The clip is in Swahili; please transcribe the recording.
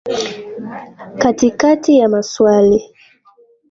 Katikati ya maswali